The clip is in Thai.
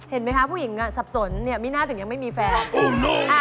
เห็นมั้ยคะผู้หญิงสับสนมีหน้าถึงยังไม่มีแฟน